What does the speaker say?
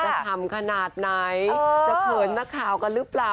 จะทำขนาดไหนจะเขินนักข่าวก็รึเปล่า